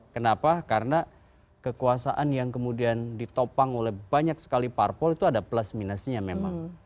kenapa karena kekuasaan yang kemudian ditopang oleh banyak sekali parpol itu ada plus minusnya memang